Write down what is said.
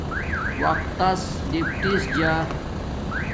وقت تس ڈپٹس جا